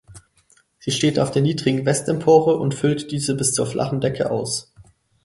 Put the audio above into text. Sie steht auf der niedrigen Westempore und füllt diese bis zur flachen Decke aus.